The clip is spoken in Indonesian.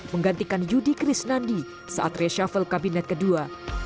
menggantikan yudi krisnandi saat reshuffle kabinet kedua